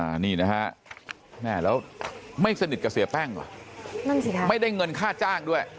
อันนี้นะฮะแม่แล้วไม่สนิทกับเสียแป้งเหรอนั่นสิค่ะไม่ได้เงินค่าจ้างด้วย